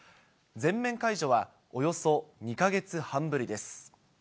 全面解除はおよそ２か月半ぶりです。